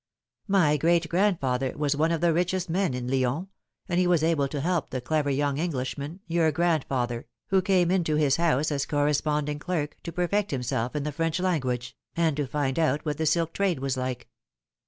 My great grandfather was one of the richest men in Lyons, and he waa able to help the clever young Englishman, your grandfather, wLo came into his house as corresponding clerk, to perfect him self in the French language, and to find out what the silk trade was like.